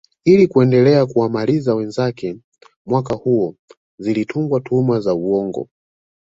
Ili kuendelea kuwamaliza wenzake mwaka huo zilitungwa tuhuma za uongo